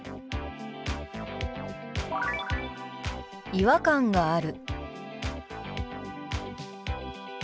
「違和感がある」。